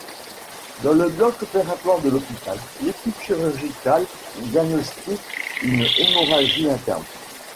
Dans le bloc opératoire de l'hôpital, l'équipe chirurgicale diagnostique une hémorragie interne.